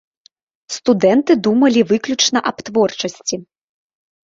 Студэнты думалі выключна аб творчасці.